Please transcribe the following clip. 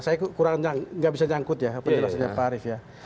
saya kurang nggak bisa nyangkut ya penjelasannya pak arief ya